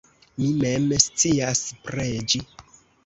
mi mem scias preĝi.